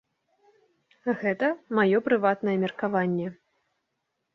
Гэта маё прыватнае меркаванне.